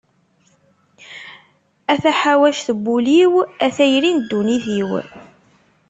A taḥawact n wul-iw, a tayri n dunnit-iw.